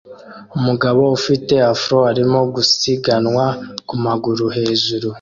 Umugabo ufite Afro arimo gusiganwa ku maguru hejuru